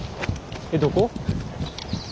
えどこ？